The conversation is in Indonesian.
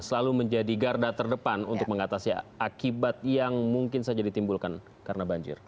selalu menjadi garda terdepan untuk mengatasi akibat yang mungkin saja ditimbulkan karena banjir